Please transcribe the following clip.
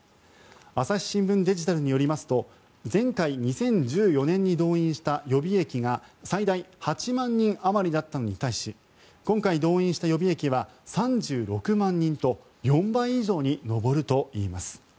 朝日新聞デジタルによりますと前回、２０１４年に動員した予備役が最大８万人余りだったのに対し今回、動員した予備役は３６万人と４倍以上に上るといいます。